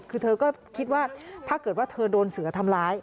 คือเธอก็คิดว่าถ้าเกิดว่าเธอโดนเสือทำร้าย